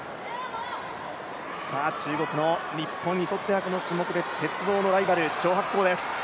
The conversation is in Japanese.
中国の日本にとってはこの種目別・鉄棒のライバル、張博恒です。